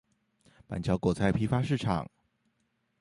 板橋果菜批發市場